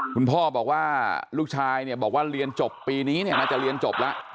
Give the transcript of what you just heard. คุณพ่อบอกว่าลูกชายเนี่ยบอกว่าเรียนจบปีนี้เนี่ยน่าจะเรียนจบแล้ว